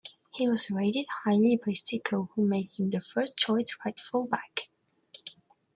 He was rated highly by Zico who made him the first-choice right full-back.